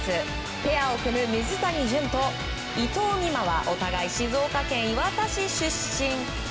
ペアを組む水谷隼と伊藤美誠はお互い静岡県磐田市出身。